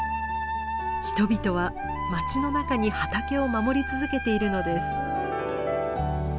人々は町の中に畑を守り続けているのです。